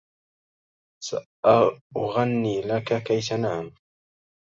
سأغنّي لك كي تنام.